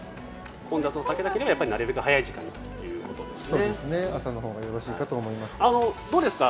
混雑を避けたければなるべく早い時間にということですね。